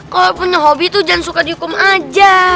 kalau punya hobi tuh jangan suka dihukum aja